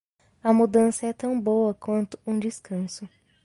A mudança é tão boa quanto um descanso.